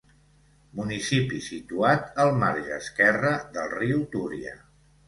Municipi situat al marge esquerre del riu Túria.